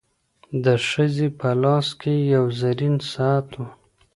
د ښځي په لاس کي یو زرین ساعت و.